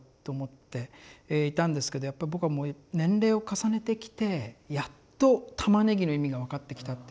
やっぱ僕はもう年齢を重ねてきてやっと「玉ねぎ」の意味が分かってきたっていうか。